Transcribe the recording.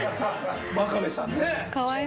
真壁さんね。